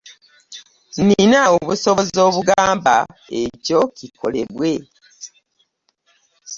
Nnina obusobozi obugamba ekyo kikolebwe.